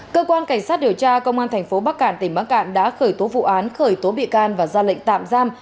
cơ quan cảnh sát điều tra công an thành phố bắc cạn tỉnh bắc cạn đã khởi tố vụ án khởi tố bị can và ra lệnh tạm giam